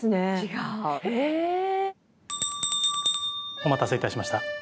お待たせいたしました。